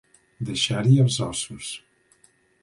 Deixar-hi els ossos.